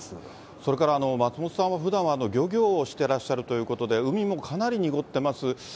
それから松本さんは、ふだんは漁業をしてらっしゃるということで、海もかなり濁ってます。